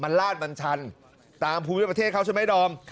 มันลาดมันชันตามภูมิประเทศเขาใช่ไหมดอม